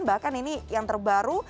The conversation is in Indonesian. bahkan ini yang terbaru